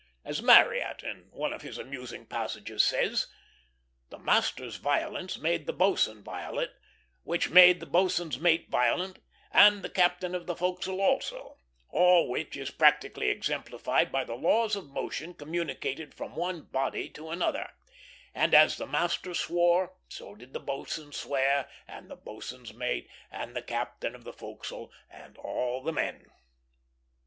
As Marryat in one of his amusing passages says: "The master's violence made the boatswain violent, which made the boatswain's mate violent, and the captain of the forecastle also; all which is practically exemplified by the laws of motion communicated from one body to another; and as the master swore, so did the boatswain swear, and the boatswain's mate, and the captain of the forecastle, and all the men."